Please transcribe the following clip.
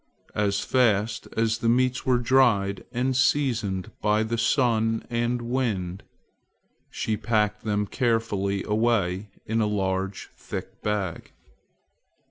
As fast as the meats were dried and seasoned by sun and wind, she packed them carefully away in a large thick bag.